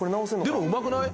でもうまくない？